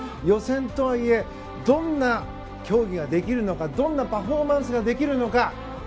予選とはいえどんな競技ができるのかどんなパフォーマンスができるのか。